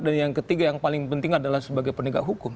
dan yang ketiga yang paling penting adalah sebagai pendekat hukum